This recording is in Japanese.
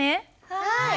はい！